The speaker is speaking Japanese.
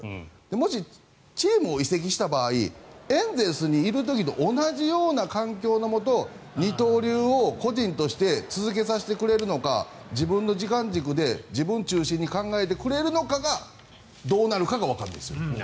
もしチームを移籍した場合エンゼルスにいる時と同じような環境のもと二刀流を個人として続けさせてくれるのか自分の時間軸で自分中心に考えてくれるのかがどうなるかがわからないんです。